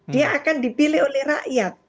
dia akan dipilih oleh rakyat